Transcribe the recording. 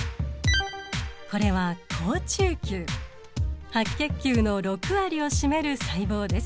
これは白血球の６割を占める細胞です。